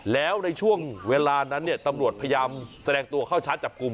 แล้วในช่วงเวลานั้นเนี่ยตำรวจพยายามแสดงตัวเข้าชาร์จจับกลุ่ม